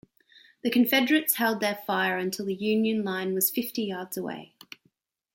The Confederates held their fire until the Union line was fifty yards away.